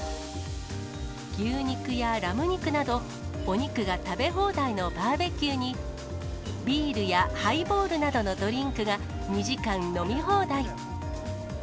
牛肉やラム肉など、お肉が食べ放題のバーベキューに、ビールやハイボールなどのドリンクが２時間飲み放題。